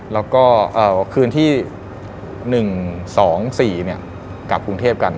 แล้วก็คืนที่หนึ่งสองสี่เนี่ยกลับกรุงเทพกัน